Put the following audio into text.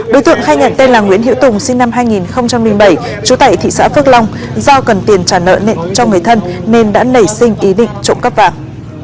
đối tượng khai nhận tên là nguyễn hiệu tùng sinh năm hai nghìn bảy trú tại thị xã phước long do cần tiền trả nợ cho người thân nên đã nảy sinh ý định trộm cắp vàng